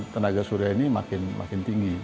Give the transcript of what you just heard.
tenaga surya ini makin tinggi